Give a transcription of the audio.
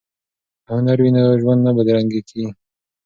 که هنر وي نو ژوند نه بدرنګیږي.